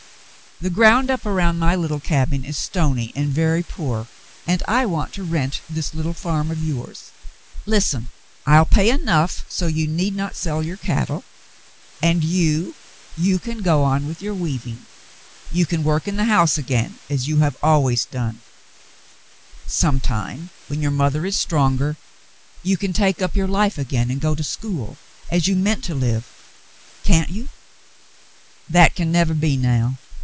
The ground up around my little cabin is stony and very poor, and I want to rent this little farm of yours. Listen — I'll pay enough so you need not sell your cattle, and you — you can go on with your weaving. You can work in the house again as you have always done. Sometime, 118 The Mountain Girl when your mother is stronger, you can take up your life again and go to school — as you meant to live — can't you?" *'That can never be now.